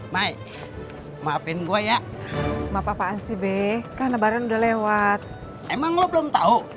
may maafin gua ya ma apa apaan sih beka nebaran udah lewat emang lo belum tahu